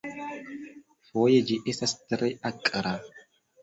Foje ĝi estas tre akra.